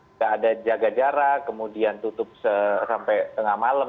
nggak ada jaga jarak kemudian tutup sampai tengah malam